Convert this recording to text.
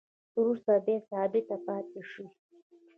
وروسته بیا ثابته پاتې شوې